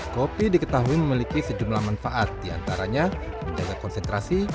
kopi diketahui memiliki sejumlah manfaat diantaranya menjaga konsentrasi